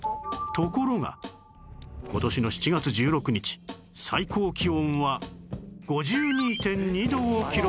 ところが今年の７月１６日最高気温は ５２．２ 度を記録